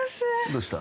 どうした？